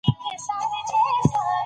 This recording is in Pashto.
اداره د ټولنې د اړتیاوو پر بنسټ بدلېږي.